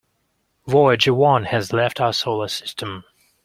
Voyager One has left our solar system.